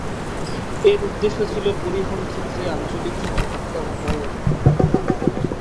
এর উদ্দেশ্য ছিল পরিবহণ ক্ষেত্রে আঞ্চলিক সহযোগিতার উন্নয়ন।